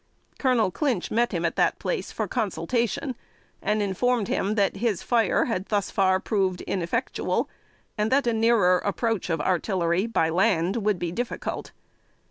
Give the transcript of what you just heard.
Colonel Clinch met him at that place, for consultation, and informed him that his fire had thus far proved ineffectual, and that a nearer approach of artillery by land would be difficult.